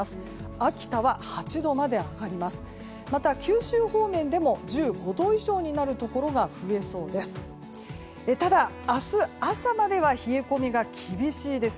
秋田は８度まで上がります。